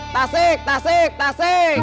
tasik tasik tasik